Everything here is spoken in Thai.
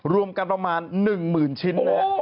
รวมกันประมาณหนึ่งหมื่นชิ้น